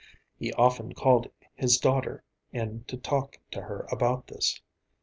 He often called his daughter in to talk to her about this.